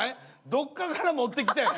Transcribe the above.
どっから持ってきてん？